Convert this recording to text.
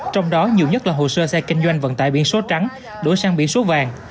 trong đó nhiều nhất là hồ sơ xe kinh doanh vận tải biển số trắng đổi sang biển số vàng